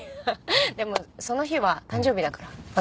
でもその日は誕生日だから私の。